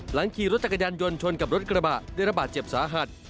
ขี่รถจักรยานยนต์ชนกับรถกระบะได้ระบาดเจ็บสาหัส